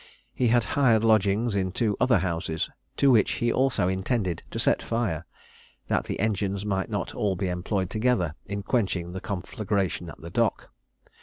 He had hired lodgings in two other houses to which he also intended to set fire, that the engines might not be all employed together in quenching the conflagration at the dock.